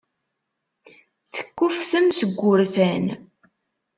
Tekkufftem seg wurfan.